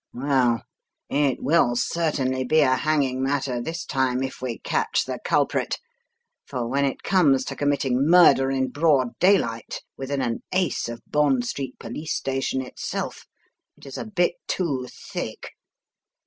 "Well, it will certainly be a hanging matter this time if we catch the culprit, for when it comes to committing murder in broad daylight within an ace of Bond Street Police Station itself, it is a bit too thick.